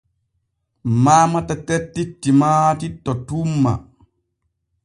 Mamata tettti timaati to tumma.